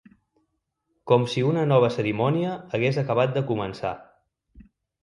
Com si una nova cerimònia hagués acabat de començar.